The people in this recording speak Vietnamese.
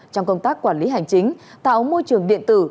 trong công tác quản lý hành chính tạo môi trường điện tử